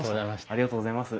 ありがとうございます。